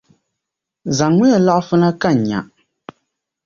Zaŋmiya laɣifu na ka n nya.